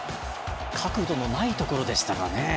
角度のないところでしたが。